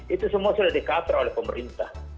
itu semua sudah dikater oleh pemerintah